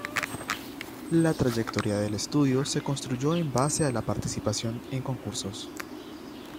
La trayectoria del estudio se construyó en base a la participación en concursos.